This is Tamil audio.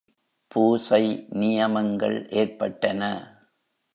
பூசை நியமங்கள் ஏற்பட்டன.